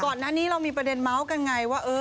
ก่อนหน้านี้เรามีประเด็นเมาส์กันไงว่า